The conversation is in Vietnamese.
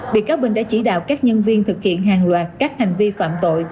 bị cáo bình đã chỉ đạo các nhân viên thực hiện hàng loạt các hành vi phạm tội